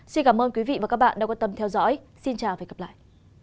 xin cảm ơn quý vị và các bạn đã quan tâm theo dõi xin chào và hẹn gặp lại